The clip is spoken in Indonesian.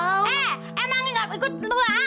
eh emang ini gak ikut lu lah